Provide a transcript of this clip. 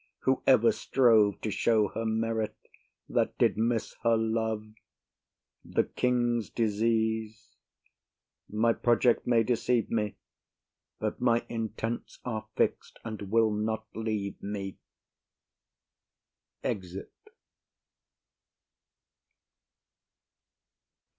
Who ever strove To show her merit that did miss her love? The king's disease,—my project may deceive me, But my intents are fix'd, and will not leave me. [_Exit.